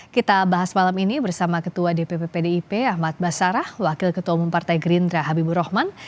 kita bahas malam ini bersama ketua dpp pdip ahmad basarah wakil ketua umum partai gerindra habibur rahman